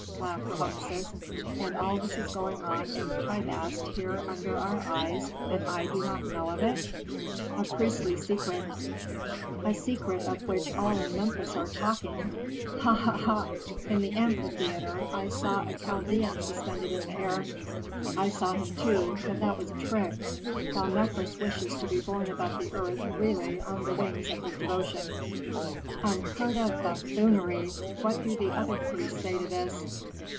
laughed Rameses. "And all this is going on in Pi Bast here under our eyes, and I do not know of it?" "A priestly secret." "A secret of which all in Memphis are talking! Ha! ha! ha! In the amphitheatre I saw a Chaldean suspended in the air." "I saw him too; but that was a trick, while Mefres wishes to be borne above the earth really on the wings of his devotion." "Unheard of buffoonery! What do the other priests say to this?"